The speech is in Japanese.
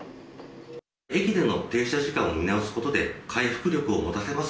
駅での停車時間を見直すことで、回復力を持たせます